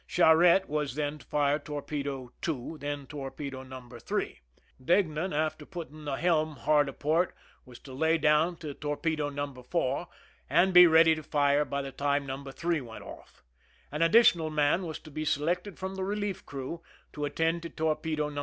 Charette was then to fire torpedo No. 2, then torpedo No. 3. Deignan, 80 THE RUN IN after putting the helm hard aport, was to "lay down " to torpedo No. 4 and be ready to fire by the time No. 3 went off. An additional man was to be selected from the relief crew to attend to torpedo No.